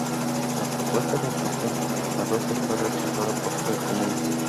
La propuesta de fusión a doce fue rechazada por tres comunas.